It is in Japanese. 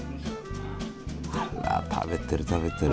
あら食べてる食べてる。